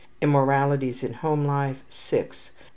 2 Immoralities in home life ....